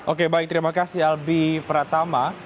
oke baik terima kasih albi pratama